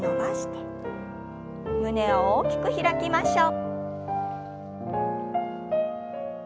胸を大きく開きましょう。